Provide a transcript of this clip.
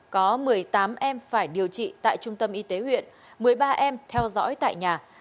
có một mươi tám em phải điều trị tại trung tâm y tế huyện một mươi ba em theo dõi tại nhà